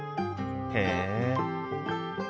へえ！